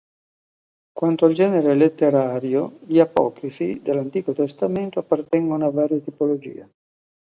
Quanto al genere letterario, gli apocrifi dell'Antico Testamento appartengono a varie tipologie.